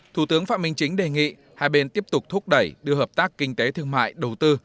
thủ tướng phạm minh chính đề nghị hai bên tiếp tục thúc đẩy đưa hợp tác kinh tế thương mại đầu tư